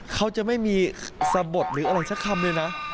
เขาจะไม่มีสะบดหรืออะไรสักคำเลยนะ